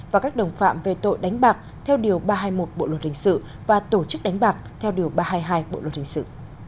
và các đồng phạm về tội đánh bạc theo điều ba trăm hai mươi một bộ luật hình sự và tổ chức đánh bạc theo điều ba trăm hai mươi hai bộ luật hình sự